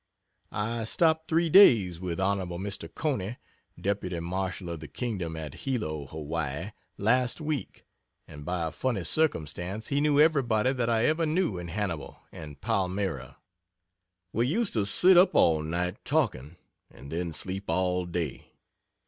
I stopped three days with Hon. Mr. Cony, Deputy Marshal of the Kingdom, at Hilo, Hawaii, last week and by a funny circumstance he knew everybody that I ever knew in Hannibal and Palmyra. We used to sit up all night talking and then sleep all day.